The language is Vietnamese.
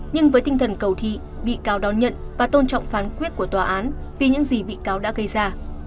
nhưng với tinh thần cầu thị bị cáo đón nhận và tôn trọng phán quyết của tòa án vì những gì bị cáo đã gây ra